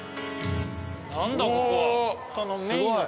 何だここは。